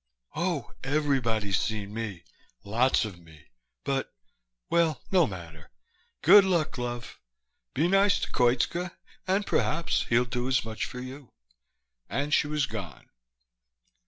"Oh, everybody's seen me. Lots of me. But well, no matter. Good luck, love. Be nice to Koitska and perhaps he'll do as much for you." And she was gone.